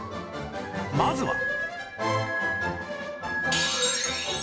まずは